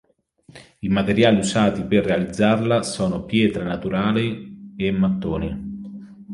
I materiali usati per realizzarla sono pietre naturali e mattoni.